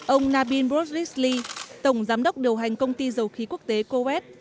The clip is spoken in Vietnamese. ông nabil boris lee tổng giám đốc điều hành công ty dầu khí quốc tế coet